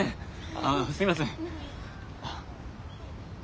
あすいません。